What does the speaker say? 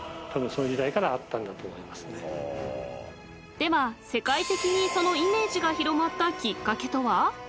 ［では世界的にそのイメージが広まったきっかけとは？］